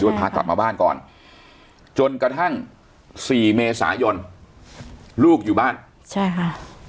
พากลับมาบ้านก่อนจนกระทั่งสี่เมษายนลูกอยู่บ้านใช่ค่ะ